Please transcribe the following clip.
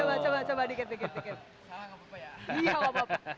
coba coba coba dikit dikit